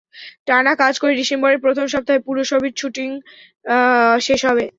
টানা কাজ করে ডিসেম্বরের প্রথম সপ্তাহে পুরো ছবির শুটিং শেষ হবে।